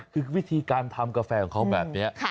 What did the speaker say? คือวิธีการทำกาแฟของเขาแบบนี้